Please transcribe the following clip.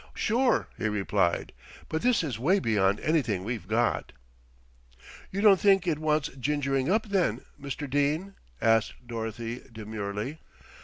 "Sure," he replied; "but this is way beyond anything we've got." "You don't think it wants gingering up then, Mr. Dene," asked Dorothy demurely.